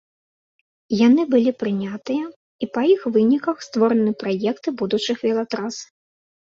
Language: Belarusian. Яны былі прынятыя, і па іх выніках створаны праекты будучых велатрас.